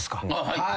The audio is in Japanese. はい。